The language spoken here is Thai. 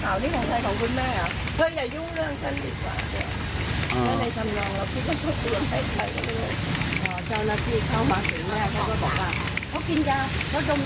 เจ้านักภีร์เข้ามาถึงแม่เขาก็บอกว่าเขากินยาเขาดมย้อ